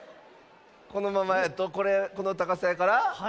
このままやとこれこのたかさやから。